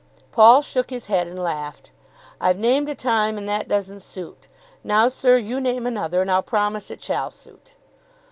Paul shook his head and laughed. "I've named a time and that doesn't suit. Now, sir, you name another, and I'll promise it shall suit."